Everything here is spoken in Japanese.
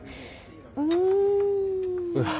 うん。